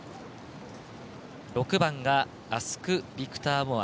６番がアスクビクターモア。